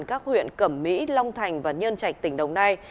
các huyện cẩm mỹ long thành và nhân trạch tỉnh đồng nai